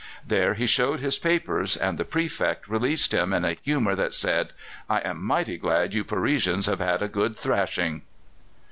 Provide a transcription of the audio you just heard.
There he showed his papers, and the Prefect released him in a humour that said, "I am mighty glad you Parisians have had a good thrashing."